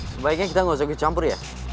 sebaiknya kita gak usah gue campur ya